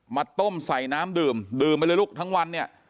มาต้มใส่น้ำดื่มดื่มไปเลยลูกทั้งวันเนี่ย